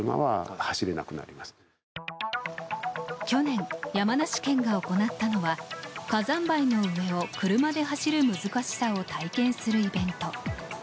去年、山梨県が行ったのは火山灰の上を車で走る難しさを体験するイベント。